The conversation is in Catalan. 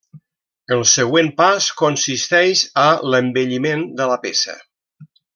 El següent pas consisteix a l'embelliment de la peça.